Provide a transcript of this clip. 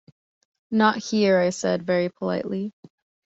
'Not here,' I said, very politely.